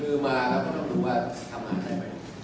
คือมางานก็ควรรู้ว่าคำงานใดมั้ย